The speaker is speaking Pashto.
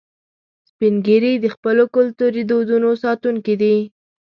سپین ږیری د خپلو کلتوري دودونو ساتونکي دي